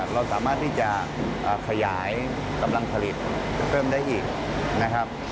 เราสามารถที่จะขยายกำลังผลิตเพิ่มได้อีกนะครับ